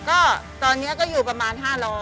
ก็ตอนนี้ก็อยู่ประมาณ๕๐๐